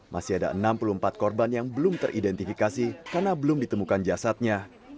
masih ada enam puluh empat korban yang belum teridentifikasi karena belum ditemukan jasadnya